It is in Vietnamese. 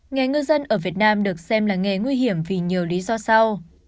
nghề ngư dân ở việt nam được xem là nghề nguy hiểm vì nhiều lý do sau